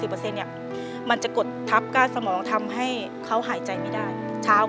เปลี่ยนเพลงเพลงเก่งของคุณและข้ามผิดได้๑คำ